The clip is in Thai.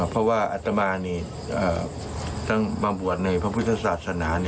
เพราะว่าอัตมานี่ตั้งมาบวชในพระพุทธศาสนา